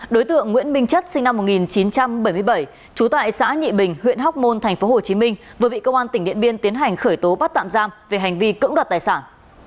đối tượng nguyễn minh chất sinh năm một nghìn chín trăm bảy mươi bảy trú tại xã nhị bình huyện hóc môn tp hcm vừa bị công an tỉnh điện biên tiến hành khởi tố bắt tạm giam về hành vi cưỡng đoạt tài sản